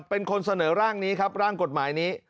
เป็นคนเสนอร่างนี้ครับร่างกฎหมายนี้